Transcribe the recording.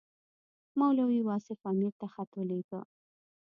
مولوي واصف امیر ته خط ولېږه.